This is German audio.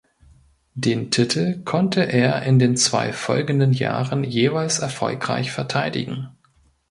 Den Titel konnte er in den zwei folgenden Jahren jeweils erfolgreich verteidigen.